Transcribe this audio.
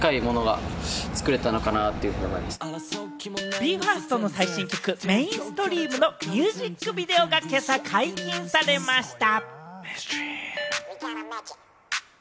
ＢＥ：ＦＩＲＳＴの最新曲『Ｍａｉｎｓｔｒｅａｍ』のミュージックビデオが今朝、解禁されました。